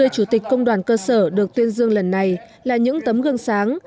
năm mươi chủ tịch công đoàn cơ sở được tuyên dương lần này là những tấm gương sáng